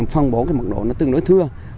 phân bổ cái mật độ nó tương đối thưa